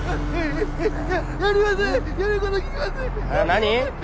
何？